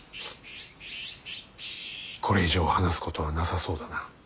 これ以上話すことはなさそうだな。